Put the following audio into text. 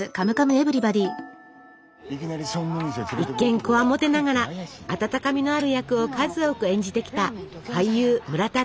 一見こわもてながら温かみのある役を数多く演じてきた俳優村田雄浩さん。